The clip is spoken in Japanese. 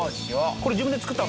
これ自分で作ったんすか？